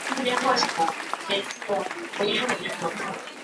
干地绣线菊为蔷薇科绣线菊属下的一个种。